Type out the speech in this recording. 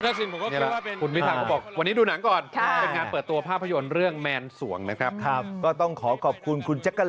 คุณวิทยาลักษมณ์ก็บอกวันนี้ดูหนังก่อน